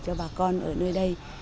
cho bà con ở nơi đây